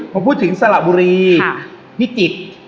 พอพูดถึงสระบุรีพิจิตร